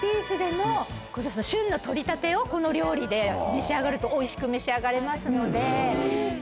旬の取りたてをこの料理で召し上がるとおいしく召し上がれますのでぜひね。